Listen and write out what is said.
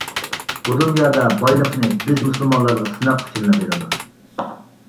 بۇ دۇنيادا بايلىقنى بىز مۇسۇلمانلارغا سىناق ئۈچۈنلا بېرىدۇ.